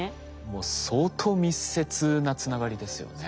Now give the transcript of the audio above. もう相当密接なつながりですよね。